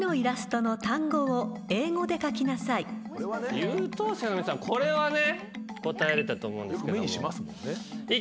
優等生の皆さんこれはね答えられたと思うんですけども。